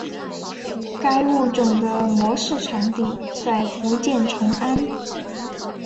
该物种的模式产地在福建崇安。